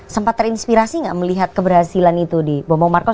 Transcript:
sempat terinspirasi nggak melihat keberhasilan itu di bobo markos